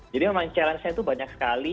jadi memang challenge nya itu banyak sekali